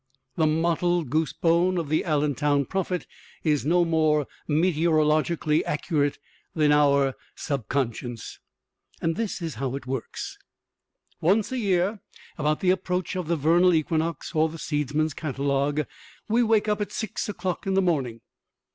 The mottled goosebone of the Allentown prophet is no more meteorologically accurate than our subconscience. And this is how it works. Once a year, about the approach of the vernal equinox or the seedsman's catalogue, we wake up at 6 o'clock in the morning.